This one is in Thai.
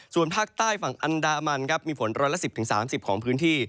ส่วนภาคใต้ฝั่งอันดามันครับมีฝนร้อยละ๑๐๓๐ของพื้นที่